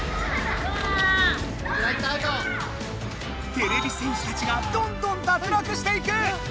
てれび戦士たちがどんどん脱落していく！